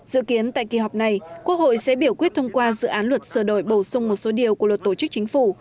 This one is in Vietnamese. dự kiến tại kỳ họp này quốc hội sẽ biểu quyết thông qua dự án luật sửa đổi bổ sung một số điều của luật tổ chức chính phủ